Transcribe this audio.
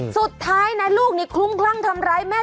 สุดท้ายนะลูกนี่คลุ้มคลั่งทำร้ายแม่